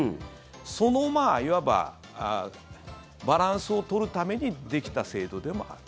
そのバランスを取るためにできた制度でもある。